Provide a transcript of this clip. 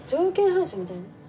反射みたいな？